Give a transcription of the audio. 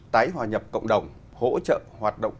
tái hòa nhập cộng đồng hỗ trợ hoạt động